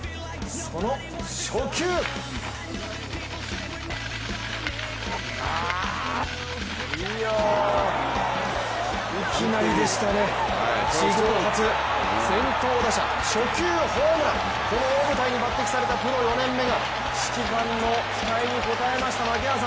その初球いきなりでしたね、史上初先頭打者初球ホームラン、この大舞台に抜擢されたプロ４年目が指揮官の期待に応えました。